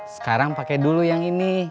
sekarang pakai dulu yang ini